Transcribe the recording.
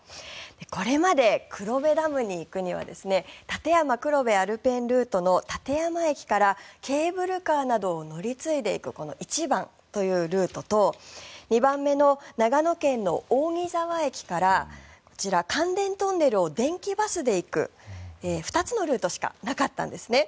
これまで黒部ダムに行くには立山黒部アルペンルートの立山駅からケーブルカーなどを乗り継いでいくこの１番というルートと２番目の長野県の扇沢駅から関電トンネルを電気バスで行く２つのルートしかなかったんですね。